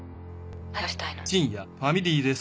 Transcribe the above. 話がしたいの。